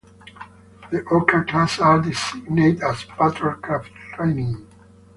The "Orca" class are designated as "Patrol Craft Training".